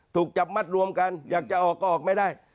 ถูกจับมัดรวมกันอยากจะออกก็ออกไม่ได้